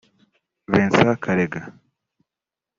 Vincent Karega